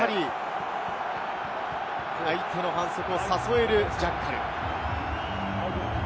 相手の反則を誘えるジャッカル。